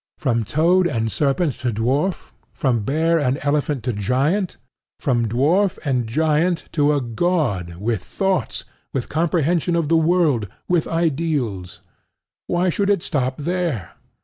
From toad and serpent to dwarf, from bear and elephant to giant, from dwarf and giant to a god with thoughts, with comprehension of the world, with ideals. Why should it stop there?